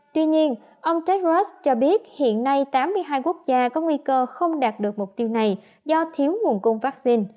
tuy nhiên ông techros cho biết hiện nay tám mươi hai quốc gia có nguy cơ không đạt được mục tiêu này do thiếu nguồn cung vaccine